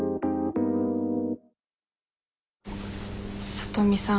聡美さん